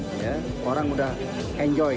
jadi ini juga roda perekonomian di indonesia